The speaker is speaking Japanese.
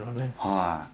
はい。